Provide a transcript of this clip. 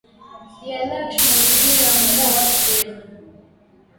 ya lush mazingira ya mvua watu wenye